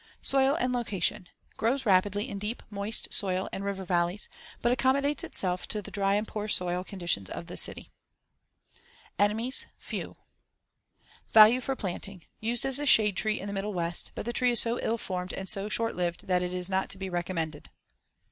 Soil and location: Grows rapidly in deep, moist soil and river valleys, but accommodates itself to the dry and poor soil conditions of the city. [Illustration: Figure 36. Twig of the Box Elder.] Enemies: Few. Value for planting: Used as a shade tree in the Middle West, but the tree is so ill formed and so short lived that it is not to be recommended.